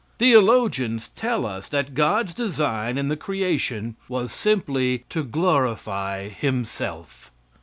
Theologians tell us that God's design in the creation was simply to glorify himself.